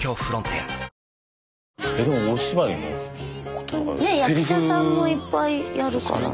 ねえ役者さんもいっぱいやるから。